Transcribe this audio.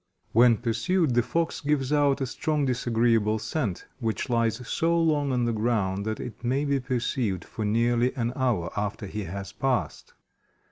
When pursued, the Fox gives out a strong, disagreeable scent, which lies so long on the ground that it may be perceived for nearly an hour after he has passed.